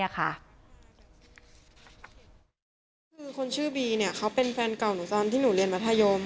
คือคนชื่อบีเขาเป็นแฟนเก่าหนูตอนที่หนูเรียนมัธยม